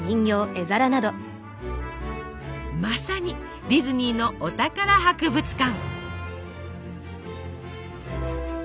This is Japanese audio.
まさにディズニーのお宝博物館！